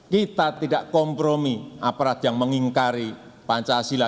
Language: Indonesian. kita tidak kompromi aparat yang mengingkari pancasila